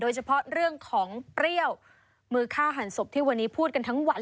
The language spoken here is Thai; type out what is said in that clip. โดยเฉพาะเรื่องของเปรี้ยวมือฆ่าหันศพที่วันนี้พูดกันทั้งวัน